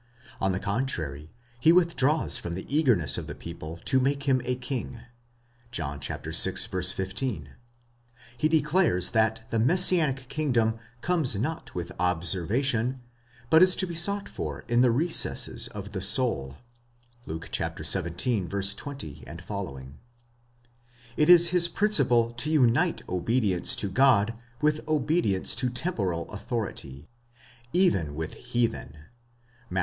On the contrary, he withdraws from. the eagerness of the people to make him a king (John vi. 15); he declares that the messianic kingdom comes not with observation, but is to be sought for in the recesses of the soul (Luke xvii. 20 f.) ; it is his principle to unite obedi ence to God with obedience to temporal authority, even when heathen (Matt.